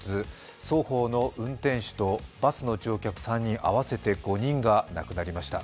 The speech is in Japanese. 双方の運転手とバスの乗客３人、合わせて５人が亡くなりました。